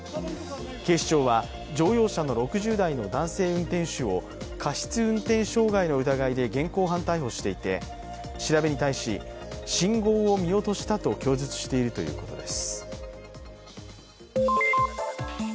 警視庁は乗用車の６０代の男性運転手を過失運転傷害の疑いで現行犯逮捕していて、調べに対し、信号を見落としたと供述しているということです。